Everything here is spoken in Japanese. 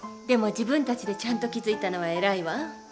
でも自分たちでちゃんと気付いたのは偉いわ。